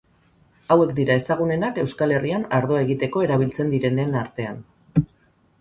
Hauek dira ezagunenak Euskal Herrian ardoa egiteko erabiltzen direnen artean.